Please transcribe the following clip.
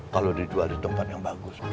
kalau dijual di tempat yang bagus